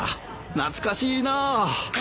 懐かしいなあ。